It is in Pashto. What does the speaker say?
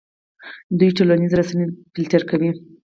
دوی ټولنیزې رسنۍ فلټر کوي.